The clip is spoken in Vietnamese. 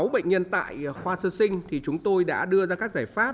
sáu bệnh nhân tại khoa sơ sinh thì chúng tôi đã đưa ra các giải pháp